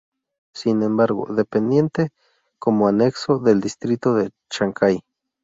Sin embargo dependiente como anexo del distrito de Chancay.